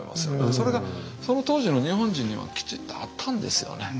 それがその当時の日本人にはきちっとあったんですよね。